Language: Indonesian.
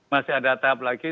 masih ada tahap lagi